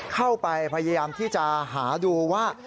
เข้าไปพยายามที่จะหาดูว่า